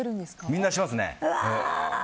みんなしますね。